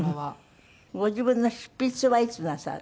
ご自分の執筆はいつなさる？